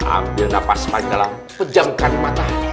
ambil nafas panjang dalam pejamkan mata